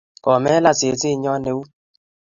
Komelan seset nyo eut